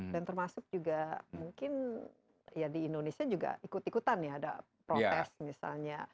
dan termasuk juga mungkin ya di indonesia juga ikut ikutan ya ada protes misalnya